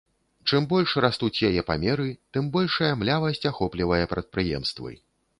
Чым больш растуць яе памеры, тым большая млявасць ахоплівае прадпрыемствы.